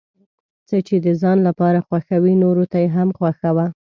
څه چې د ځان لپاره خوښوې نورو ته یې هم خوښوه.